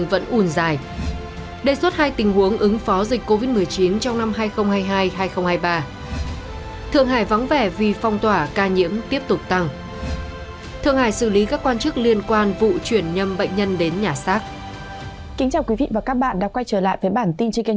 và quay trở lại với bản tin trên kênh youtube của báo sức khỏe và đời sống